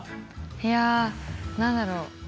いや何だろ。